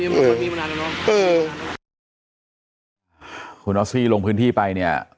มันมีมานานแล้วเนอะเออคุณลงพื้นที่ไปเนี้ย